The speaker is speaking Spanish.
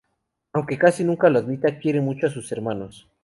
Aunque casi nunca lo admita, quiere mucho a sus hermanos.